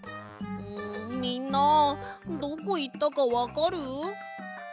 みんなどこいったかわかる？